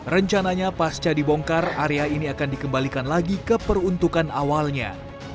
rencananya pasca dibongkar area ini akan dikembalikan lagi ke peruntukan awalnya